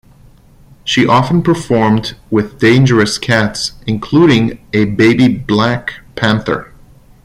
She often performed with dangerous cats, including a baby black panther.